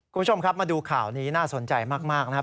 คุณผู้ชมครับมาดูข่าวนี้น่าสนใจมากนะครับ